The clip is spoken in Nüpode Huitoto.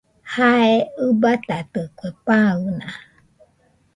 Jae ɨbatatikue, pan naa.